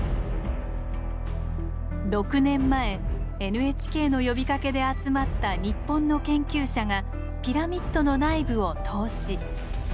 ６年前ＮＨＫの呼びかけで集まった日本の研究者がピラミッドの内部を透視。